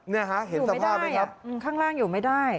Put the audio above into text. นี่ฮะเห็นสภาพไหมครับอยู่ไม่ได้ข้างล่างอยู่ไม่ได้